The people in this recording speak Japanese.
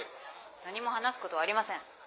何も話すことはありません。